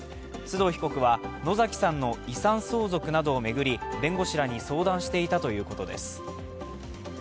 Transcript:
須藤被告は野崎さんの遺産相続などを巡り弁護士らに相談していたということです。